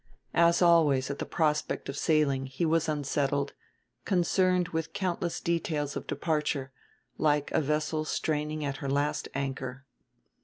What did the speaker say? As always at the prospect of sailing he was unsettled, concerned with countless details of departure like a vessel straining at her last anchor.